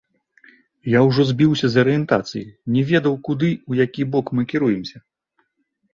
Я ўжо збіўся з арыентацыі, не ведаў, куды, у які бок мы кіруемся.